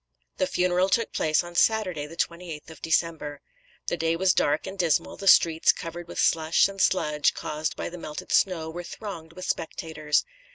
The funeral took place on Saturday, the 28th of December. "The day was dark and dismal, the streets, covered with slush and sludge caused by the melted snow, were thronged with spectators....